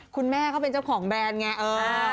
คุณแม่เขาเป็นเจ้าของแบรนด์ไง